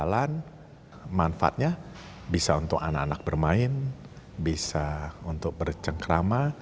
jalan manfaatnya bisa untuk anak anak bermain bisa untuk bercengkrama